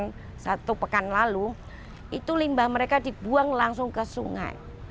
dan satu pekan lalu itu limba mereka dibuang langsung ke sungai